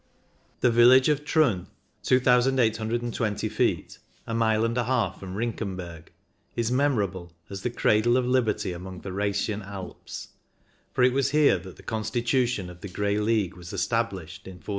The village of Truns (2,820 ft.), a mile and a half from Rinkenberg, is memorable as the "cradle of liberty among the Rhaetian Alps," for it was here that the Constitution of the Grey League was established in 1424.